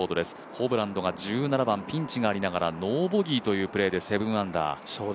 ホブランドが１７番、ピンチがありましたがノーボギーというプレーで７アンダー。